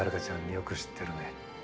よく知ってるね。